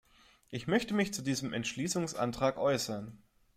Ich möchte mich zu diesem Entschließungsantrag äußern.